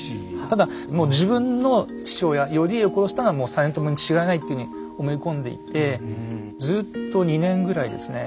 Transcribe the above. ただもう自分の父親頼家を殺したのはもう実朝にちがいないっていうふうに思い込んでいてずっと２年ぐらいですね